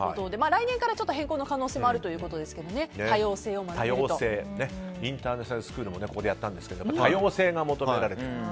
来年から変更の可能性もあるということですがインターナショナルスクールもここでやったんですが多様性が求められると。